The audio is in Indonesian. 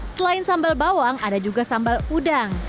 selain sambal bawang ada juga sambal udang